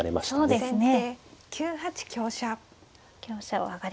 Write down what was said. そうですね。